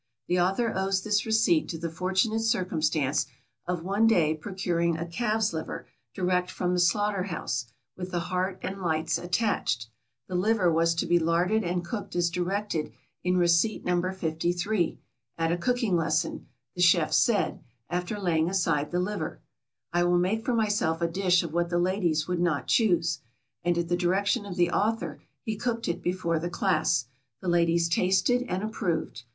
The author owes this receipt to the fortunate circumstance of one day procuring a calf's liver direct from the slaughter house, with the heart and lights attached; the liver was to be larded and cooked as directed in receipt No. 53, at a cooking lesson; the chef said, after laying aside the liver, "I will make for myself a dish of what the ladies would not choose," and at the direction of the author he cooked it before the class; the ladies tasted and approved.